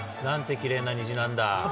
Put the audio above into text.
きれいな虹なんだ。